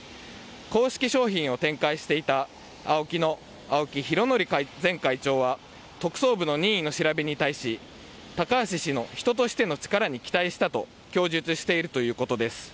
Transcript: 公式商品を展開していたＡＯＫＩの青木拡憲前会長は特捜部の任意の調べに対し、高橋氏の人としての力に期待したと供述しているということです。